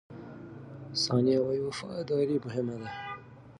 ثانیه وايي، وفاداري مهمه ده.